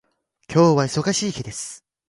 今日は忙しい日です。